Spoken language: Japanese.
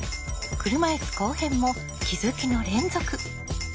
車いす後編も気づきの連続。